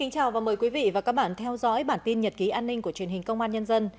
chào mừng quý vị đến với bản tin nhật ký an ninh của truyền hình công an nhân dân